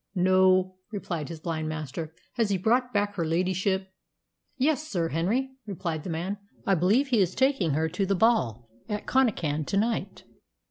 "No," replied his blind master. "Has he brought back her ladyship?" "Yes, Sir Henry," replied the man. "I believe he is taking her to the ball over at Connachan to night."